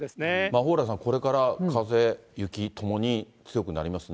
蓬莱さん、これから風、雪ともに強くなりますね。